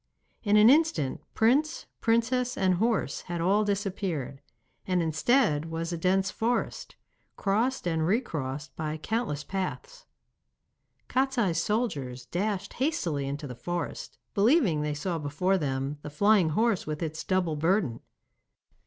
In an instant prince, princess, and horse had all disappeared, and instead was a dense forest, crossed and recrossed by countless paths. Kostiei's soldiers dashed hastily into the forest, believing they saw before them the flying horse with its double burden.